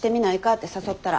って誘ったら。